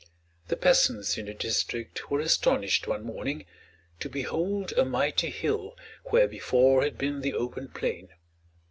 The peasants in the district were astonished, one morning, to behold a mighty hill where before had been the open plain.